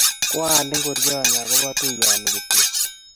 Kwa al ngoryonni akobo tuyo ni kityo.